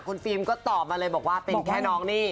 คุณฟิล์มก็ตอบมาเลยบอกว่าเป็นแค่น้องนี่